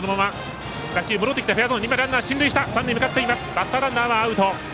バッターランナーはアウト。